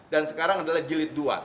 dan sekarang adalah jilid dua